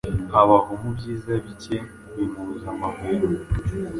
Abaho mubyizabike bimubuza amahwemo